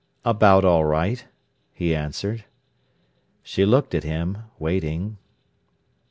"About all right," he answered. She looked at him, waiting.